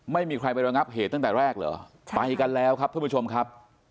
ไม่มีใครไประงับเหตุตั้งแต่แรกเหรอไปกันแล้วครับท่านผู้ชมครับ